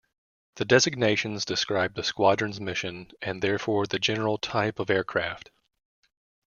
The designations describe the squadron's mission and therefor the general type of aircraft.